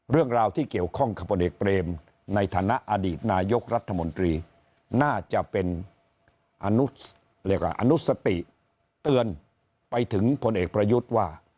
เรื่องราวที่เกี่ยวข้องกับพลเอกเปรมในฐานะอดีตนายกรัฐมนตรีน่าจะเป็นอนุสติเตือนไปถึงพลเอกประยุทธ์ว่า